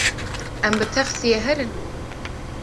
Em bi texsiyê herin?